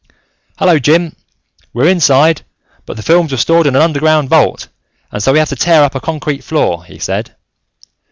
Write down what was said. "Hello, Jim. We're inside, but the films were stored in an underground vault, and so we have to tear up a concrete floor," he said.